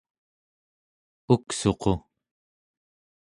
uksuqu